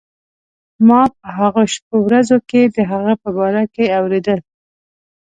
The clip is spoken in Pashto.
ما په هغو شپو ورځو کې د هغه په باره کې اورېدل.